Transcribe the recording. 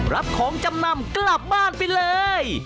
รับของจำนำกลับบ้านไปเลย